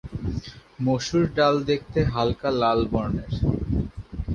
মসুর ডাল দেখতে হালকা লাল বর্ণের।